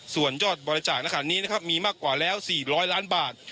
ส่วนยอดบริจาคนี้นะครับมีมากกว่าแล้วสี่ร้อยล้านบาท